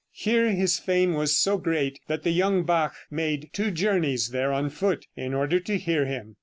Here his fame was so great that the young Bach made two journeys there on foot, in order to hear him.